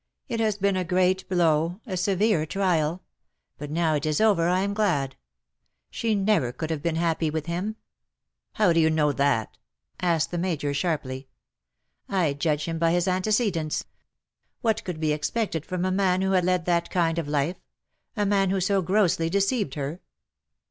It has been a great blow, a severe trial ; but now it is over I am glad : she never could have been happy with him/^ " How do you know that V asked the Major, sharply. '' I judge him by his antecedents. What could be expected from a man who had led that kind of life — a man who so grossly deceived her